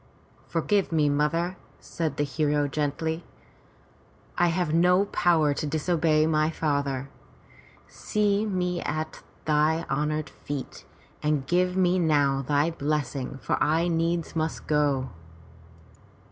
Forgive me, mother," said the hero gently. "I have no power to disobey my father. See me at thy honored feet and give me now thy blessing, for I needs must go."